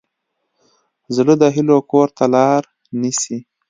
زړه د هیلو کور ته لار نیسي.